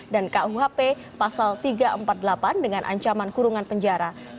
dan kuhp pasal tiga ratus empat puluh delapan dengan ancaman kurungan penjara